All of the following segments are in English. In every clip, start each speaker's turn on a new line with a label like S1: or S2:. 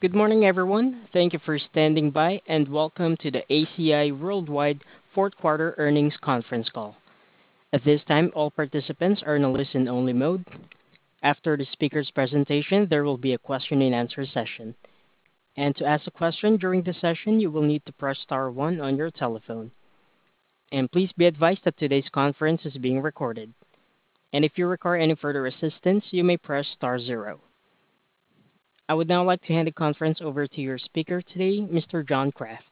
S1: Good morning, everyone. Thank you for standing by, and welcome to the ACI Worldwide fourth quarter earnings conference call. At this time, all participants are in a listen only mode. After the speaker's presentation, there will be a question and answer session. To ask a question during the session, you will need to press star one on your telephone. Please be advised that today's conference is being recorded. If you require any further assistance, you may press star zero. I would now like to hand the conference over to your speaker today, Mr. John Kraft.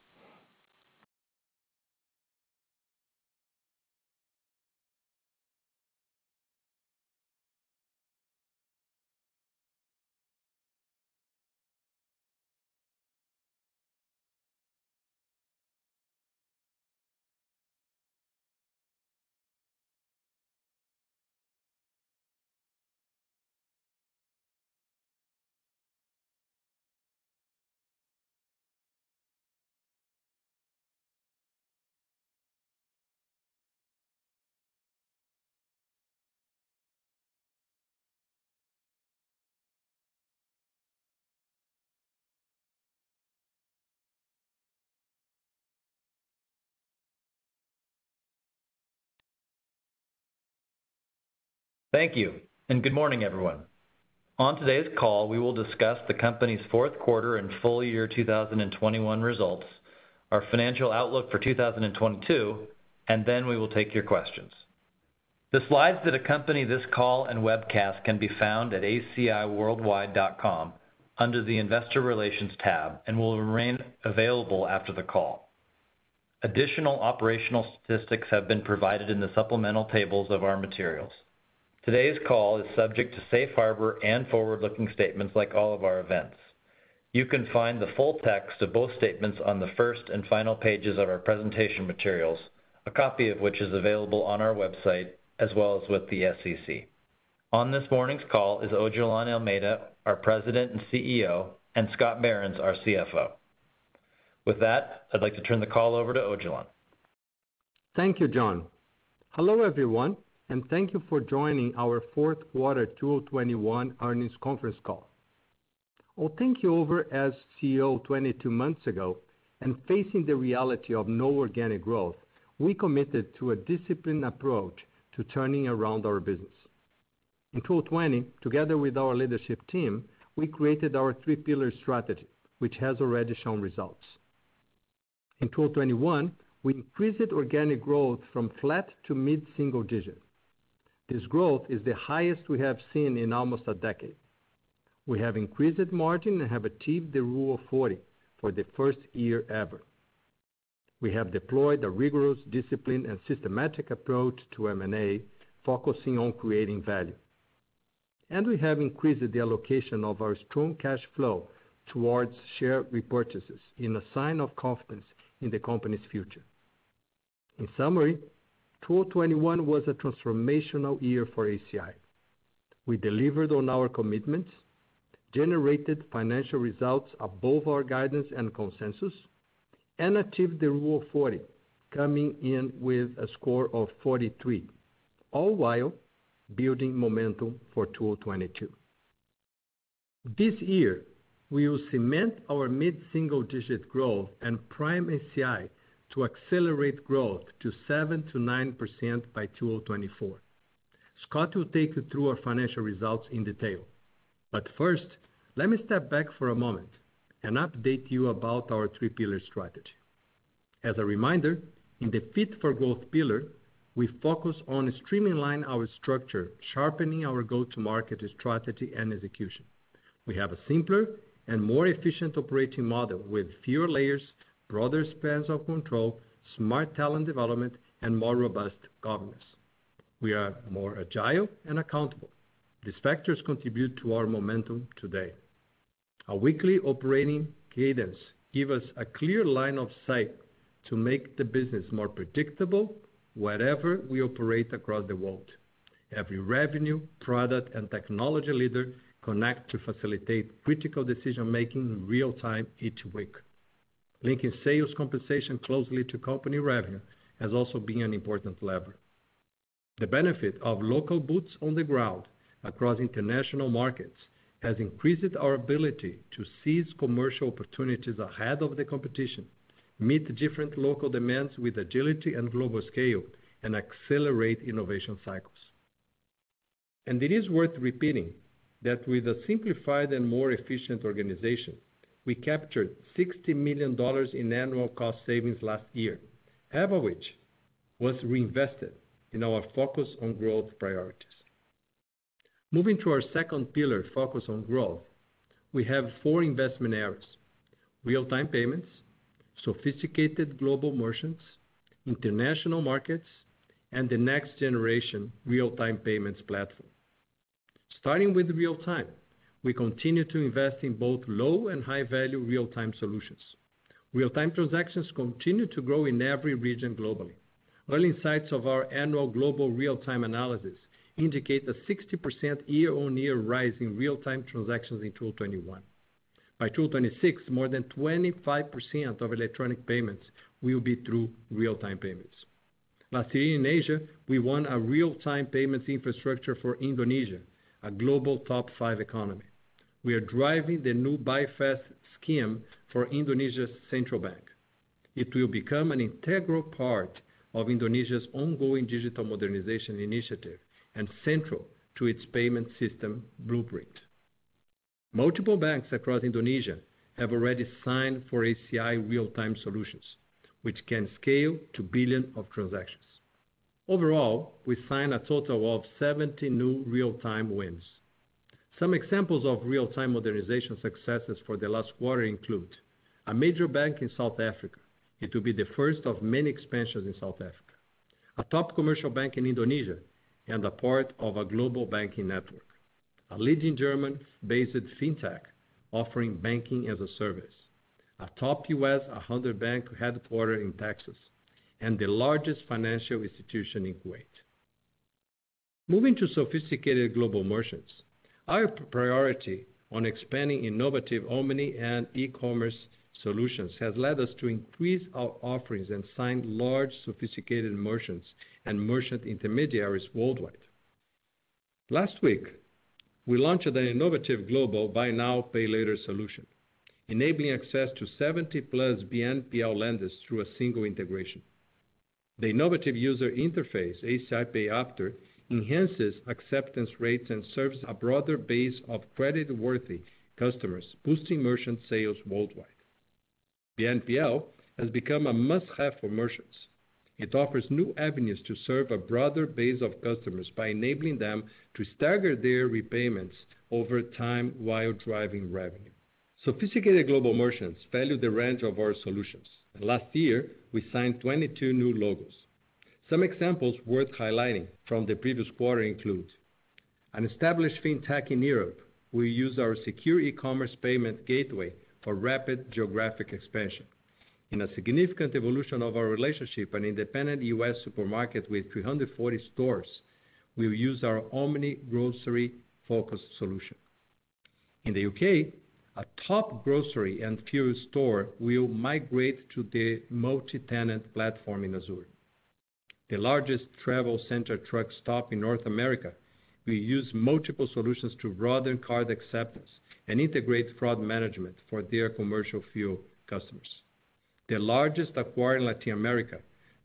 S2: Thank you, and good morning, everyone. On today's call, we will discuss the company's fourth quarter and full year 2021 results, our financial outlook for 2022, and then we will take your questions. The slides that accompany this call and webcast can be found at aciworldwide.com under the Investor Relations tab and will remain available after the call. Additional operational statistics have been provided in the supplemental tables of our materials. Today's call is subject to Safe Harbor and forward-looking statements like all of our events. You can find the full text of both statements on the first and final pages of our presentation materials, a copy of which is available on our website as well as with the SEC. On this morning's call is Odilon Almeida, our President and CEO; and Scott Behrens, our CFO. With that, I'd like to turn the call over to Odilon.
S3: Thank you, John. Hello, everyone, and thank you for joining our fourth quarter 2021 earnings conference call. Well, I took over as CEO 22 months ago and facing the reality of no organic growth, we committed to a disciplined approach to turning around our business. In 2020, together with our leadership team, we created our three-pillar strategy, which has already shown results. In 2021, we increased organic growth from flat to mid-single digit. This growth is the highest we have seen in almost a decade. We have increased margin and have achieved the Rule of 40 for the first year ever. We have deployed a rigorous discipline and systematic approach to M&A, focusing on creating value. We have increased the allocation of our strong cash flow towards share repurchases in a sign of confidence in the company's future. In summary, 2021 was a transformational year for ACI. We delivered on our commitments, generated financial results above our guidance and consensus, and achieved the Rule of 40, coming in with a score of 43, all while building momentum for 2022. This year, we will cement our mid-single-digit growth and prime ACI to accelerate growth to 7%-9% by 2024. Scott will take you through our financial results in detail. First, let me step back for a moment and update you about our three-pillar strategy. As a reminder, in the Fit for Growth pillar, we focus on streamline our structure, sharpening our go-to-market strategy, and execution. We have a simpler and more efficient operating model with fewer layers, broader spans of control, smart talent development, and more robust governance. We are more agile and accountable. These factors contribute to our momentum today. A weekly operating cadence give us a clear line of sight to make the business more predictable wherever we operate across the world. Every revenue, product, and technology leader connect to facilitate critical decision-making in real-time each week. Linking sales compensation closely to company revenue has also been an important lever. The benefit of local boots on the ground across international markets has increased our ability to seize commercial opportunities ahead of the competition, meet different local demands with agility and global scale, and accelerate innovation cycles. It is worth repeating that with a simplified and more efficient organization, we captured $60 million in annual cost savings last year, half of which was reinvested in our focus on growth priorities. Moving to our second pillar, focus on growth, we have four investment areas: real-time payments, sophisticated global merchants, international markets, and the next generation real-time payments platform. Starting with real-time, we continue to invest in both low and high-value real-time solutions. Real-time transactions continue to grow in every region globally. Early insights of our annual global real-time analysis indicate a 60% year-on-year rise in real-time transactions in 2021. By 2026, more than 25% of electronic payments will be through real-time payments. Last year in Asia, we won a real-time payments infrastructure for Indonesia, a global top five economy. We are driving the new BI-FAST scheme for Indonesia's central bank. It will become an integral part of Indonesia's ongoing digital modernization initiative and central to its payment system blueprint. Multiple banks across Indonesia have already signed for ACI real-time solutions, which can scale to billions of transactions. Overall, we signed a total of 70 new real-time wins. Some examples of real-time modernization successes for the last quarter include a major bank in South Africa. It will be the first of many expansions in South Africa, a top commercial bank in Indonesia and a part of a global banking network, a leading German-based fintech offering banking-as-a-service, a top U.S. 100 bank headquartered in Texas, and the largest financial institution in Kuwait. Moving to sophisticated global merchants, our priority on expanding innovative omni and e-commerce solutions has led us to increase our offerings and sign large sophisticated merchants and merchant intermediaries worldwide. Last week, we launched an innovative global buy now, pay later solution, enabling access to 70+ BNPL lenders through a single integration. The innovative user interface, ACI PayAfter, enhances acceptance rates and serves a broader base of credit-worthy customers, boosting merchant sales worldwide. BNPL has become a must-have for merchants. It offers new avenues to serve a broader base of customers by enabling them to stagger their repayments over time while driving revenue. Sophisticated global merchants value the range of our solutions, and last year, we signed 22 new logos. Some examples worth highlighting from the previous quarter include an established fintech in Europe will use our secure e-commerce payment gateway for rapid geographic expansion. In a significant evolution of our relationship, an independent U.S. supermarket with 340 stores will use our omni grocery-focused solution. In the U.K., a top grocery and fuel store will migrate to the multi-tenant platform in Azure. The largest travel center truck stop in North America will use multiple solutions to broaden card acceptance and integrate fraud management for their commercial fuel customers. The largest acquirer in Latin America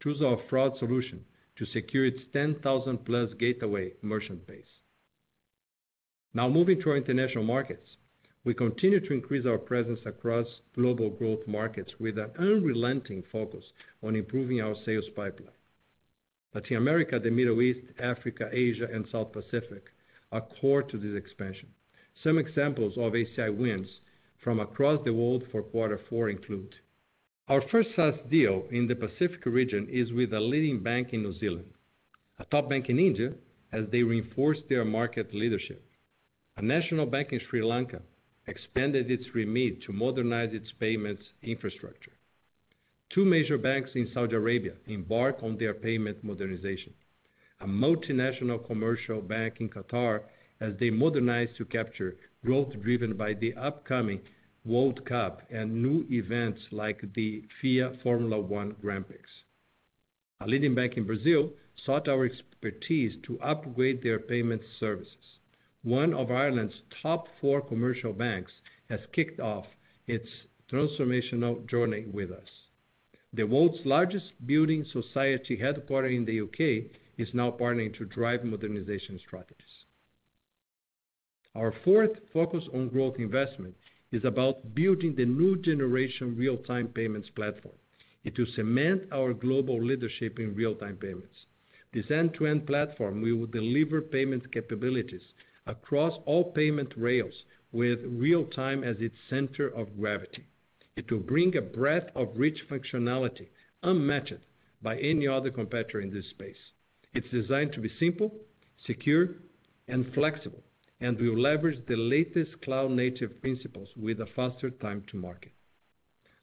S3: chose our fraud solution to secure its 10,000+ gateway merchant base. Now moving to our international markets, we continue to increase our presence across global growth markets with an unrelenting focus on improving our sales pipeline. Latin America, the Middle East, Africa, Asia, and South Pacific are core to this expansion. Some examples of ACI wins from across the world for quarter four include our first SaaS deal in the Pacific region with a leading bank in New Zealand. A top bank in India, as they reinforce their market leadership. A national bank in Sri Lanka expanded its remit to modernize its payments infrastructure. Two major banks in Saudi Arabia embark on their payment modernization. A multinational commercial bank in Qatar as they modernize to capture growth driven by the upcoming World Cup and new events like the FIA Formula One Grand Prix. A leading bank in Brazil sought our expertise to upgrade their payment services. One of Ireland's top four commercial banks has kicked off its transformational journey with us. The world's largest building society, headquartered in the U.K., is now partnering to drive modernization strategies. Our fourth focus on growth investment is about building the new generation real-time payments platform. It will cement our global leadership in real-time payments. This end-to-end platform will deliver payment capabilities across all payment rails with real-time as its center of gravity. It will bring a breadth of rich functionality unmatched by any other competitor in this space. It's designed to be simple, secure, and flexible, and will leverage the latest cloud-native principles with a faster time to market.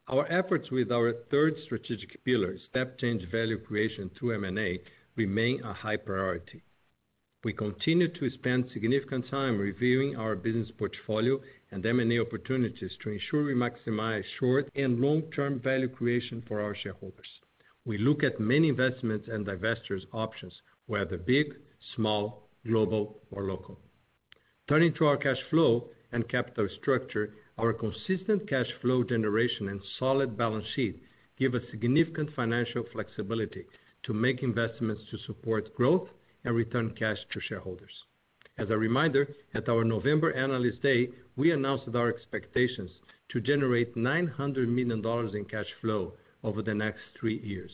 S3: Our efforts with our third strategic pillar, step change value creation through M&A, remain a high priority. We continue to spend significant time reviewing our business portfolio and M&A opportunities to ensure we maximize short and long-term value creation for our shareholders. We look at many investments and divestitures options, whether big, small, global or local. Turning to our cash flow and capital structure, our consistent cash flow generation and solid balance sheet give us significant financial flexibility to make investments to support growth and return cash to shareholders. As a reminder, at our November Analyst Day, we announced our expectations to generate $900 million in cash flow over the next three years.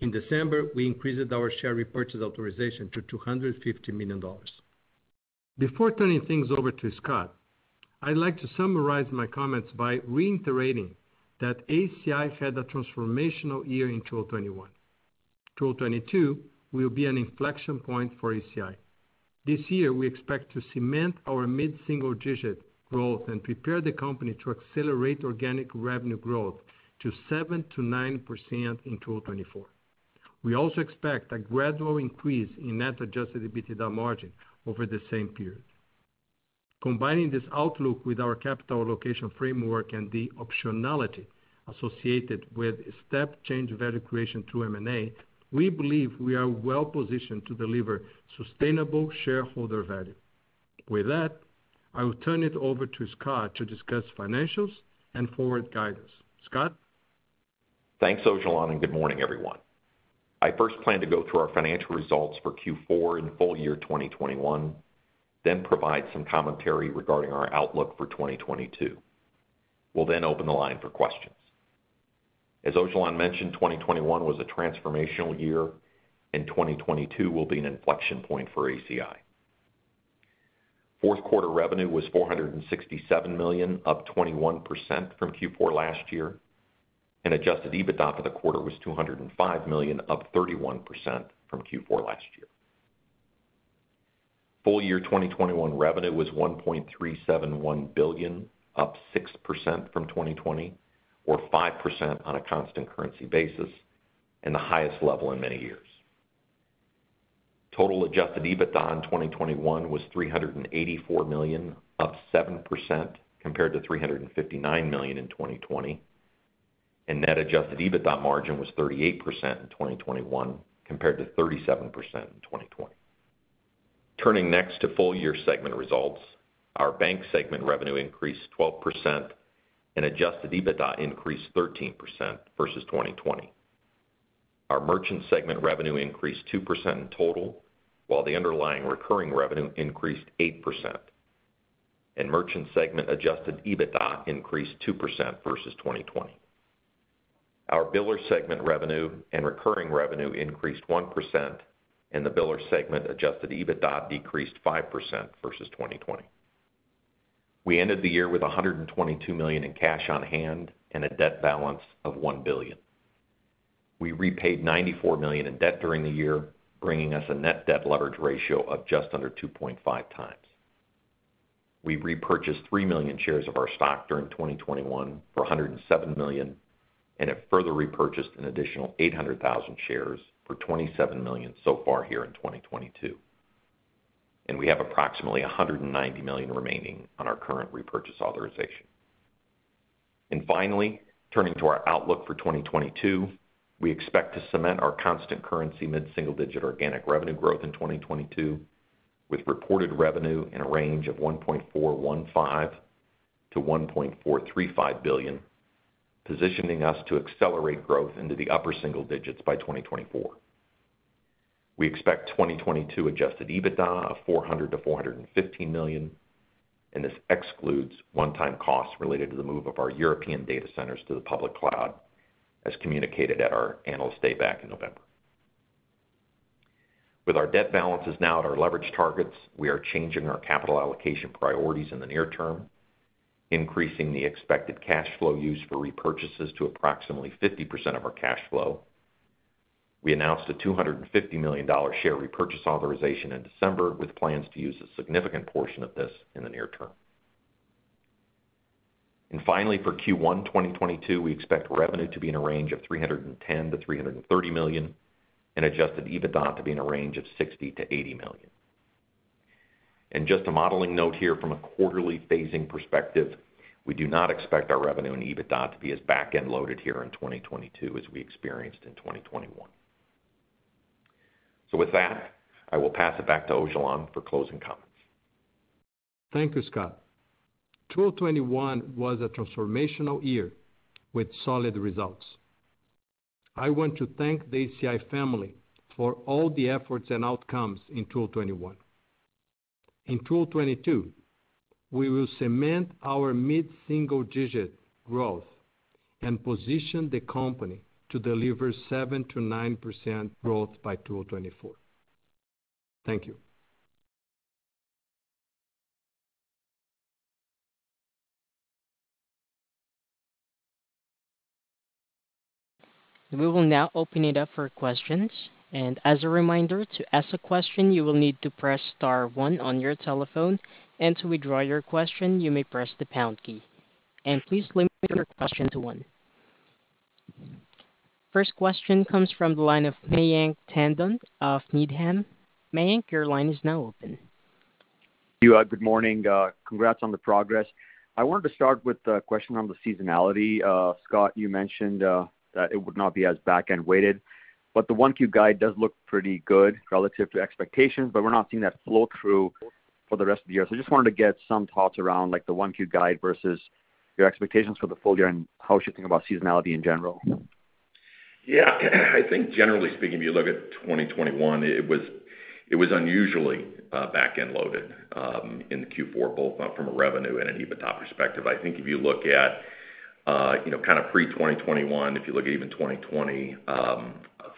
S3: In December, we increased our share repurchase authorization to $250 million. Before turning things over to Scott, I'd like to summarize my comments by reiterating that ACI had a transformational year in 2021. 2022 will be an inflection point for ACI. This year, we expect to cement our mid-single digit growth and prepare the company to accelerate organic revenue growth to 7%-9% in 2024. We also expect a gradual increase in net Adjusted EBITDA margin over the same period. Combining this outlook with our capital allocation framework and the optionality associated with step change value creation through M&A, we believe we are well-positioned to deliver sustainable shareholder value. With that, I will turn it over to Scott to discuss financials and forward guidance. Scott?
S4: Thanks, Odilon, and good morning, everyone. I first plan to go through our financial results for Q4 and full year 2021, then provide some commentary regarding our outlook for 2022. We'll then open the line for questions. As Odilon mentioned, 2021 was a transformational year, and 2022 will be an inflection point for ACI. Fourth quarter revenue was $467 million, up 21% from Q4 last year, and Adjusted EBITDA for the quarter was $205 million, up 31% from Q4 last year. Full year 2021 revenue was $1.371 billion, up 6% from 2020 or 5% on a constant currency basis, and the highest level in many years. Total Adjusted EBITDA in 2021 was $384 million, up 7% compared to $359 million in 2020. Net Adjusted EBITDA margin was 38% in 2021 compared to 37% in 2020. Turning next to full year segment results, our bank segment revenue increased 12% and Adjusted EBITDA increased 13% versus 2020. Our Merchant segment revenue increased 2% in total while the underlying recurring revenue increased 8%. Merchant segment Adjusted EBITDA increased 2% versus 2020. Our biller segment revenue and recurring revenue increased 1%, and the biller segment Adjusted EBITDA decreased 5% versus 2020. We ended the year with $122 million in cash on hand and a debt balance of $1 billion. We repaid $94 million in debt during the year, bringing us a net debt leverage ratio of just under 2.5x. We repurchased 3 million shares of our stock during 2021 for $107 million, and have further repurchased an additional 800,000 shares for $27 million so far here in 2022. We have approximately $190 million remaining on our current repurchase authorization. Finally, turning to our outlook for 2022, we expect to cement our constant currency mid-single digit organic revenue growth in 2022 with reported revenue in a range of $1.415 billion-$1.435 billion, positioning us to accelerate growth into the upper single digits by 2024. We expect 2022 Adjusted EBITDA of $400 million-$415 million, and this excludes one-time costs related to the move of our European data centers to the public cloud as communicated at our Analyst Day back in November. With our debt balances now at our leverage targets, we are changing our capital allocation priorities in the near term, increasing the expected cash flow use for repurchases to approximately 50% of our cash flow. We announced a $250 million share repurchase authorization in December, with plans to use a significant portion of this in the near term. Finally, for Q1 2022, we expect revenue to be in a range of $310 million-$330 million and Adjusted EBITDA to be in a range of $60 million-$80 million. Just a modeling note here from a quarterly phasing perspective, we do not expect our revenue and EBITDA to be as back-end loaded here in 2022 as we experienced in 2021. With that, I will pass it back to Odilon for closing comments.
S3: Thank you, Scott. 2021 was a transformational year with solid results. I want to thank the ACI family for all the efforts and outcomes in 2021. In 2022, we will cement our mid-single digit growth and position the company to deliver 7%-9% growth by 2024. Thank you.
S1: We will now open it up for questions. As a reminder, to ask a question, you will need to press star one on your telephone. To withdraw your question, you may press the pound key. Please limit your question to one. First question comes from the line of Mayank Tandon of Needham. Mayank, your line is now open.
S5: Good morning. Congrats on the progress. I wanted to start with a question on the seasonality. Scott, you mentioned that it would not be as back-end weighted, but the 1Q guide does look pretty good relative to expectations, but we're not seeing that flow through for the rest of the year. Just wanted to get some thoughts around, like the 1Q guide versus your expectations for the full year, and how we should think about seasonality in general.
S4: Yeah. I think generally speaking, if you look at 2021, it was unusually back-end loaded in the Q4, both from a revenue and an EBITDA perspective. I think if you look at, you know, kind of pre-2021, if you look at even 2020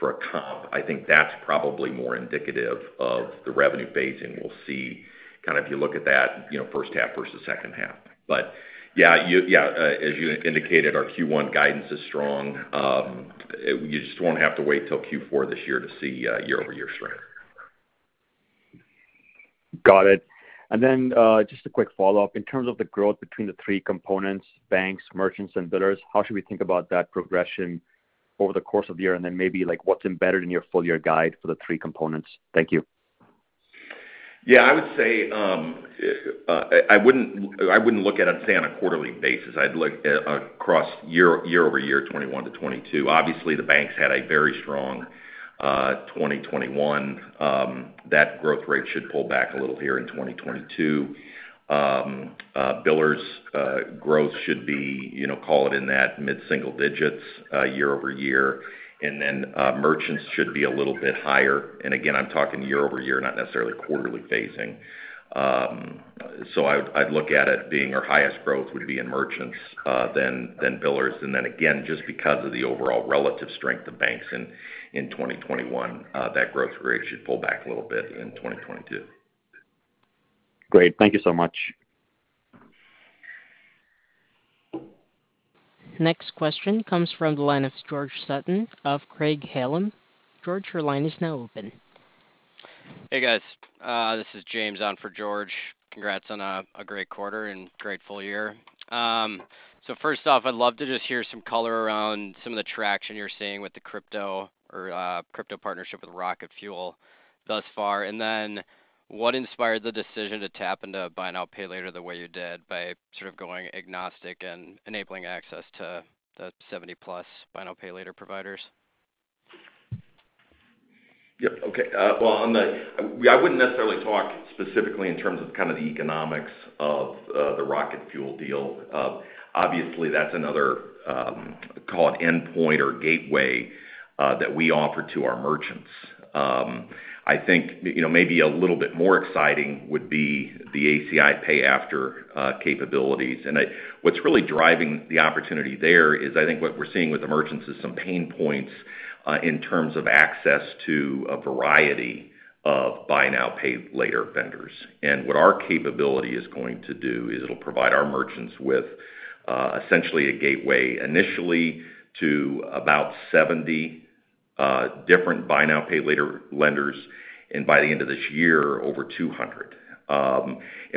S4: for a comp, I think that's probably more indicative of the revenue phasing we'll see. Kind of if you look at that, you know, first half versus second half. Yeah, as you indicated, our Q1 guidance is strong. You just won't have to wait till Q4 this year to see year-over-year strength.
S5: Got it. Just a quick follow-up. In terms of the growth between the three components, banks, merchants, and billers, how should we think about that progression over the course of the year, and maybe like what's embedded in your full year guide for the three components. Thank you.
S4: Yeah, I would say I wouldn't look at it, say, on a quarterly basis. I'd look across year-over-year 2021 to 2022. Obviously, the banks had a very strong 2021. That growth rate should pull back a little here in 2022. Billers growth should be, you know, call it in that mid-single digits year-over-year. Then merchants should be a little bit higher. Again, I'm talking year-over-year, not necessarily quarterly phasing. I'd look at it being our highest growth would be in merchants, then billers. Then again, just because of the overall relative strength of banks in 2021, that growth rate should pull back a little bit in 2022.
S5: Great. Thank you so much.
S1: Next question comes from the line of George Sutton of Craig-Hallum. George, your line is now open.
S6: Hey, guys. This is James on for George. Congrats on a great quarter and great full year. First off, I'd love to just hear some color around some of the traction you're seeing with the crypto partnership with RocketFuel thus far. What inspired the decision to tap into buy now, pay later, the way you did by sort of going agnostic and enabling access to the 70+ buy now, pay later providers?
S4: Yep. Okay. Well, I wouldn't necessarily talk specifically in terms of kind of the economics of the RocketFuel deal. Obviously that's another call it endpoint or gateway that we offer to our merchants. I think, you know, maybe a little bit more exciting would be the ACI PayAfter capabilities. What's really driving the opportunity there is I think what we're seeing with merchants is some pain points in terms of access to a variety of buy now, pay later vendors. What our capability is going to do is it'll provide our merchants with essentially a gateway initially to about 70 different buy now, pay later lenders, and by the end of this year, over 200.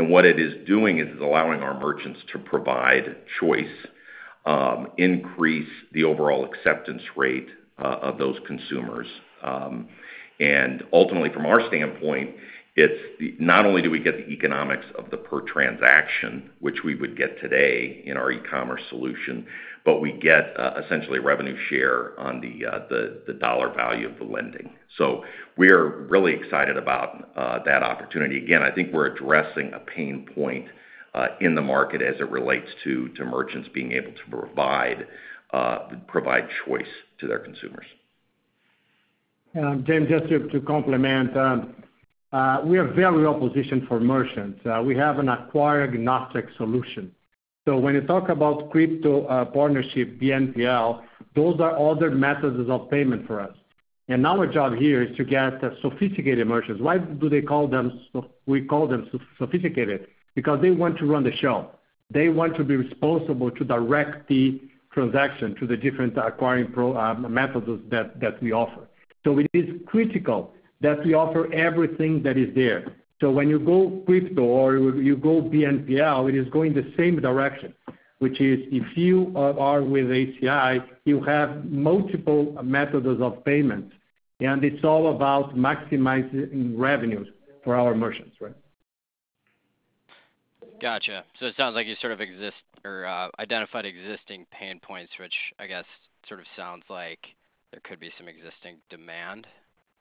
S4: What it is doing is it's allowing our merchants to provide choice, increase the overall acceptance rate of those consumers. Ultimately from our standpoint, it's not only do we get the economics of the per transaction, which we would get today in our e-commerce solution, but we get essentially revenue share on the dollar value of the lending. We are really excited about that opportunity. Again, I think we're addressing a pain point in the market as it relates to merchants being able to provide choice to their consumers.
S3: James, just to complement, we are very well positioned for merchants. We have an acquirer agnostic solution. When you talk about crypto partnership, BNPL, those are other methods of payment for us. Our job here is to get the sophisticated merchants. Why do they call them sophisticated? Because they want to run the show. They want to be responsible to direct the transaction to the different acquiring methods that we offer. It is critical that we offer everything that is there. When you go crypto or you go BNPL, it is going the same direction, which is if you are with ACI, you have multiple methods of payment, and it's all about maximizing revenues for our merchants, right?
S6: Gotcha. It sounds like you sort of exist or identified existing pain points, which I guess sort of sounds like there could be some existing demand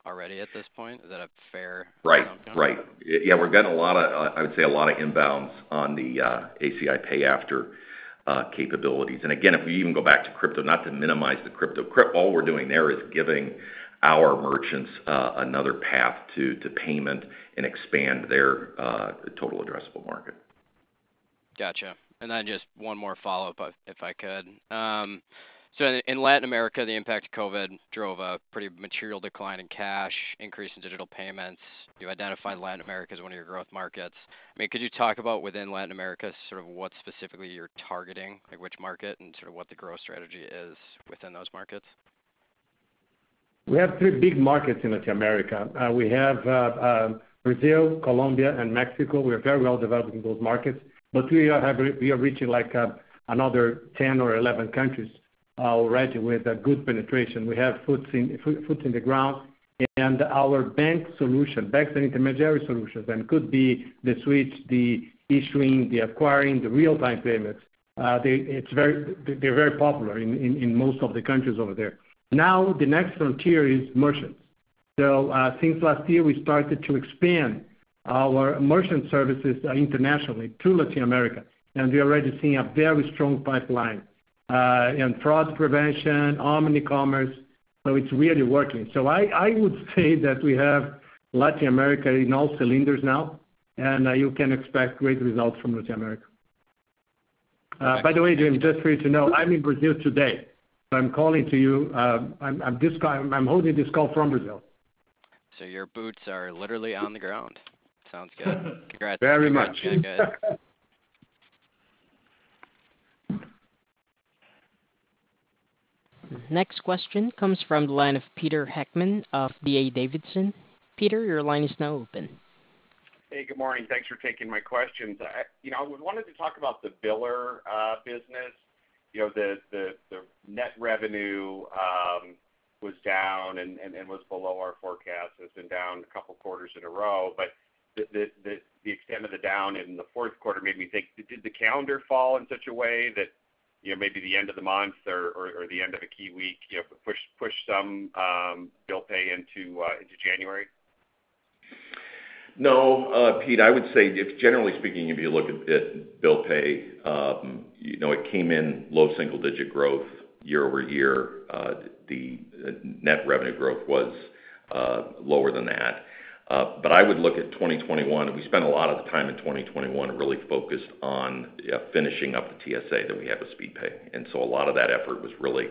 S6: already at this point. Is that a fair assumption?
S4: Right. Yeah, we're getting a lot of, I would say a lot of inbounds on the ACI PayAfter capabilities. Again, if we even go back to crypto, not to minimize the crypto, all we're doing there is giving our merchants another path to payment and expand their total addressable market.
S6: Gotcha. Just one more follow-up, if I could. In Latin America, the impact of COVID drove a pretty material decline in cash, increase in digital payments. You identified Latin America as one of your growth markets. I mean, could you talk about within Latin America, sort of what specifically you're targeting, like which market and sort of what the growth strategy is within those markets?
S3: We have three big markets in Latin America. We have Brazil, Colombia, and Mexico. We are very well developed in those markets. We are reaching like another 10 or 11 countries already with a good penetration. We have foot in the ground. Our bank solution, banks and intermediary solutions, and could be the switch, the issuing, the acquiring, the real-time payments, they're very popular in most of the countries over there. Now, the next frontier is merchants. Since last year, we started to expand our merchant services internationally to Latin America, and we're already seeing a very strong pipeline in fraud prevention, omni-commerce. It's really working. I would say that we have Latin America firing on all cylinders now, and you can expect great results from Latin America. By the way, James, just for you to know, I'm in Brazil today. I'm calling to you. I'm holding this call from Brazil.
S6: Your boots are literally on the ground. Sounds good. Congrats.
S3: Very much.
S6: Congrats. Good, good.
S1: Next question comes from the line of Peter Heckmann of D.A. Davidson. Peter, your line is now open.
S7: Hey, good morning. Thanks for taking my questions. You know, I wanted to talk about the biller business. You know, the net revenue was down and was below our forecast. It's been down a couple of quarters in a row, but the extent of the down in the fourth quarter made me think, did the calendar fall in such a way that, you know, maybe the end of the month or the end of a key week, you know, pushed some bill pay into January?
S4: No, Pete, I would say if generally speaking, if you look at bill pay, you know, it came in low single-digit growth year-over-year. The net revenue growth was lower than that. I would look at 2021. We spent a lot of the time in 2021 really focused on finishing up the TSA that we have with Speedpay. A lot of that effort was really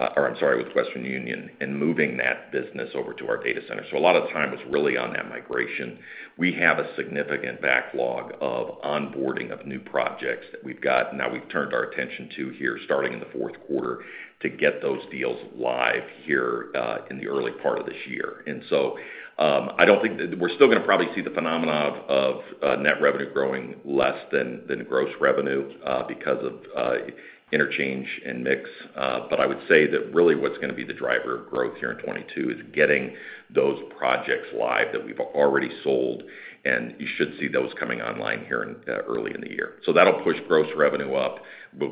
S4: with Western Union and moving that business over to our data center. A lot of time was really on that migration. We have a significant backlog of onboarding of new projects that we've got. Now we've turned our attention to here starting in the fourth quarter to get those deals live here in the early part of this year. I don't think that we're still gonna probably see the phenomena of net revenue growing less than gross revenue because of interchange and mix. But I would say that really what's gonna be the driver of growth here in 2022 is getting those projects live that we've already sold, and you should see those coming online here in early in the year. That'll push gross revenue up, but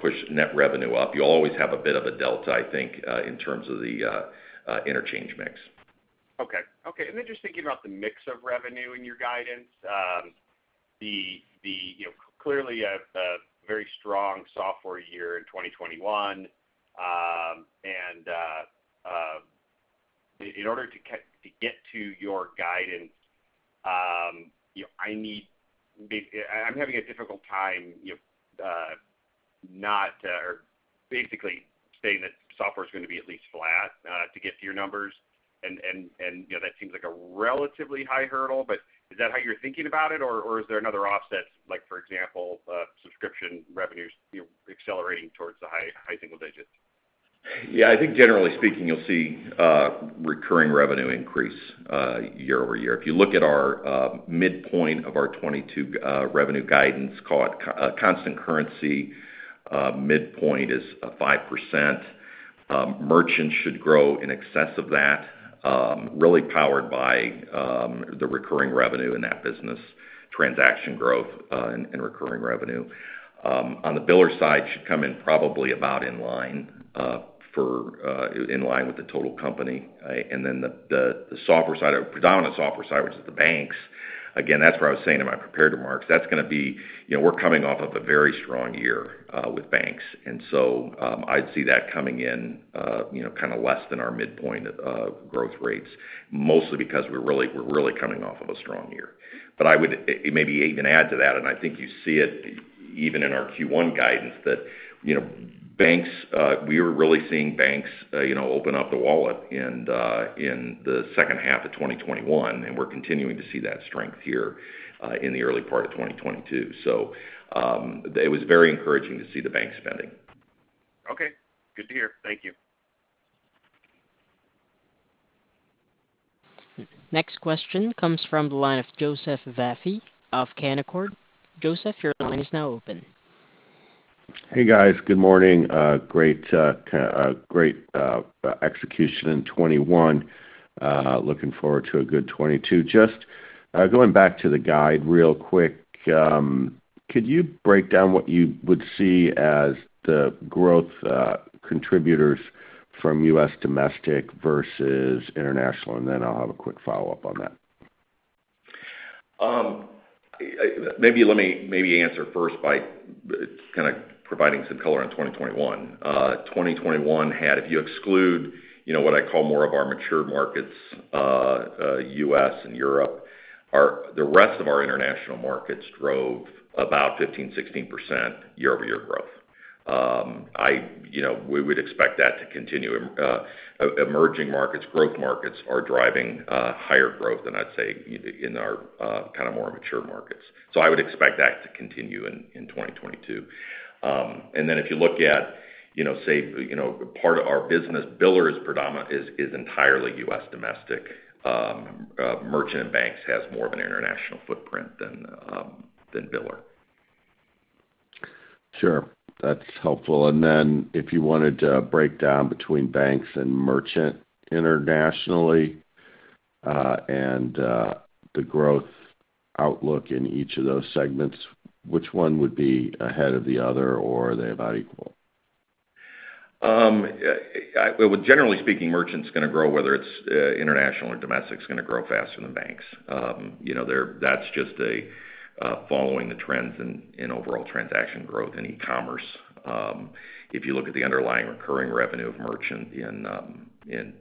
S4: push net revenue up. You always have a bit of a delta, I think, in terms of the interchange mix.
S7: Okay. Just thinking about the mix of revenue in your guidance, you know, clearly a very strong software year in 2021. In order to get to your guidance, you know, I'm having a difficult time not basically saying that software is gonna be at least flat to get to your numbers. You know, that seems like a relatively high hurdle. Is that how you're thinking about it, or is there another offset, like for example, subscription revenues, you know, accelerating towards the high single digits?
S4: Yeah. I think generally speaking, you'll see recurring revenue increase year-over-year. If you look at our midpoint of our 2022 revenue guidance, call it constant currency, midpoint is 5%. Merchants should grow in excess of that, really powered by the recurring revenue in that business, transaction growth, and recurring revenue. On the biller side, should come in probably about in line with the total company. Then the software side, predominant software side, which is the banks, again, that's where I was saying in my prepared remarks, that's gonna be, you know, we're coming off of a very strong year with banks. I'd see that coming in, you know, kinda less than our midpoint of growth rates, mostly because we're really coming off of a strong year. I would maybe even add to that, and I think you see it even in our Q1 guidance, that you know, we were really seeing banks, you know, open up the wallet and in the second half of 2021, and we're continuing to see that strength here in the early part of 2022. It was very encouraging to see the bank spending.
S7: Okay. Good to hear. Thank you.
S1: Next question comes from the line of Joseph Vafi of Canaccord. Joseph, your line is now open.
S8: Hey, guys. Good morning. Great execution in 2021. Looking forward to a good 2022. Just going back to the guide real quick, could you break down what you would see as the growth contributors from U.S. domestic versus international? Then I'll have a quick follow-up on that.
S4: Maybe let me answer first by kinda providing some color on 2021. 2021 had, if you exclude, you know, what I call more of our mature markets, the rest of our international markets drove about 15%-16% year-over-year growth. I, you know, we would expect that to continue. Emerging markets, growth markets are driving higher growth than I'd say in our kinda more mature markets. I would expect that to continue in 2022. If you look at, you know, say, you know, part of our business billers predominantly is entirely U.S. domestic. Merchant and banks has more of an international footprint than biller.
S8: Sure. That's helpful. If you wanted to break down between banks and merchant internationally, the growth outlook in each of those segments, which one would be ahead of the other or are they about equal?
S4: Well, generally speaking, merchant's gonna grow, whether it's international or domestic, it's gonna grow faster than banks. That's just following the trends in overall transaction growth in e-commerce. If you look at the underlying recurring revenue of merchant in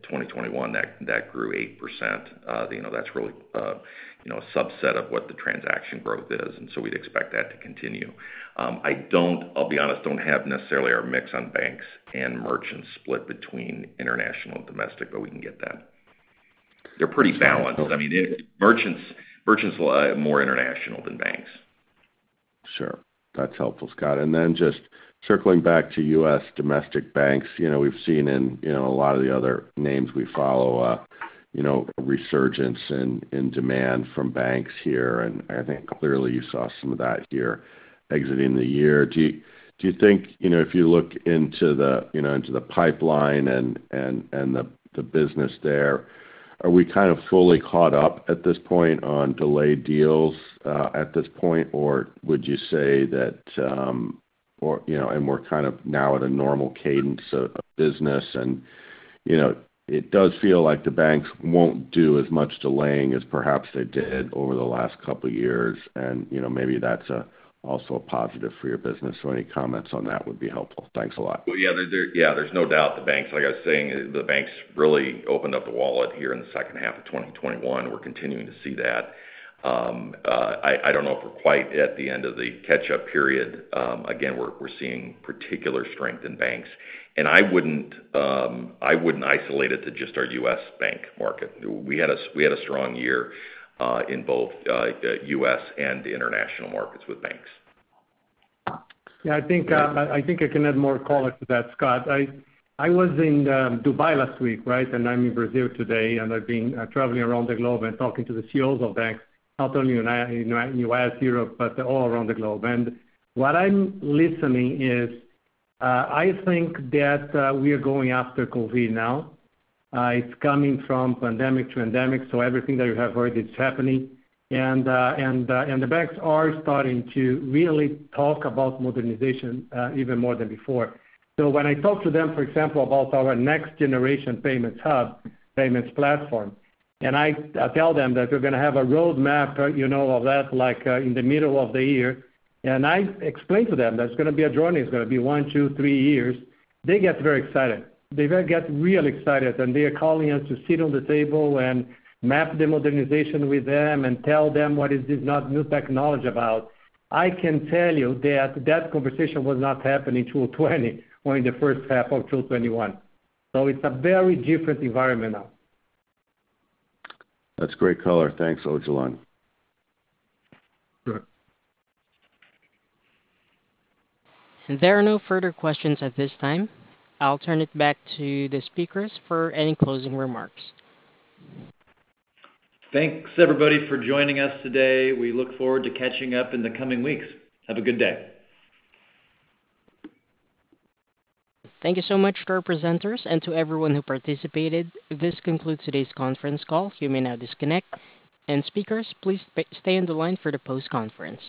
S4: 2021, that grew 8%. That's really a subset of what the transaction growth is, and so we'd expect that to continue. I don't, I'll be honest, don't have necessarily our mix on banks and merchants split between international and domestic, but we can get that. They're pretty balanced. I mean, merchants will more international than banks.
S8: Sure. That's helpful, Scott. Then just circling back to U.S. domestic banks. You know, we've seen in, you know, a lot of the other names we follow, a resurgence in demand from banks here, and I think clearly you saw some of that here exiting the year. Do you think, you know, if you look into the, you know, into the pipeline and the business there, are we kind of fully caught up at this point on delayed deals, at this point? Or would you say that, you know, we're kind of now at a normal cadence of business and, you know, it does feel like the banks won't do as much delaying as perhaps they did over the last couple years and, you know, maybe that's also a positive for your business. Any comments on that would be helpful. Thanks a lot.
S4: Well, yeah, there's no doubt the banks, like I was saying, the banks really opened up the wallet here in the second half of 2021. We're continuing to see that. I don't know if we're quite at the end of the catch-up period. Again, we're seeing particular strength in banks. I wouldn't isolate it to just our US Bank market. We had a strong year in both U.S. and international markets with banks.
S3: Yeah, I think I can add more color to that, Scott. I was in Dubai last week, right? I'm in Brazil today, and I've been traveling around the globe and talking to the CEOs of banks, not only in U.S., Europe, but all around the globe. What I'm hearing is, I think that we are going after COVID now. It's coming from pandemic to endemic, so everything that you have heard is happening. The banks are starting to really talk about modernization, even more than before. When I talk to them, for example, about our next generation payments hub, payments platform, and I tell them that they're gonna have a roadmap, you know, of that like in the middle of the year. I explain to them that it's gonna be a journey. It's gonna be one, two, three years. They get very excited. They get real excited, and they are calling us to sit on the table and map the modernization with them and tell them what is this new technology about. I can tell you that that conversation was not happening in 2020 or in the first half of 2021. It's a very different environment now.
S8: That's great color. Thanks, Odilon.
S4: Sure.
S1: There are no further questions at this time. I'll turn it back to the speakers for any closing remarks.
S4: Thanks everybody for joining us today. We look forward to catching up in the coming weeks. Have a good day.
S1: Thank you so much to our presenters and to everyone who participated. This concludes today's conference call. You may now disconnect. Speakers, please stay on the line for the post-conference.